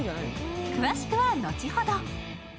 詳しくは後ほど。